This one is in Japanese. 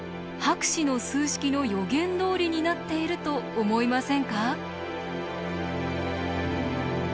博士の数式の予言どおりになっていると思いませんか？